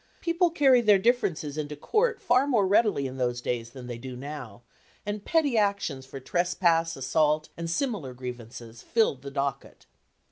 Peo ple carried their differences into the courts far more readily in those days than they do now, and petty actions for trespass, assault, and similar grievances filled the docket.